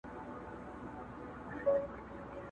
یو ناڅاپه پر یو سیوري برابر سو٫